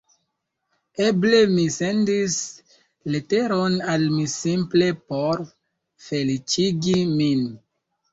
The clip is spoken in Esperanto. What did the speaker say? Eble mi sendis leteron al mi simple por feliĉigi min.